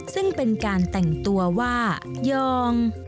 ซึ่งเป็นการแต่งตัวว่ายอง